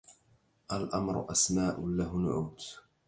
الأمر أسماء له نعوت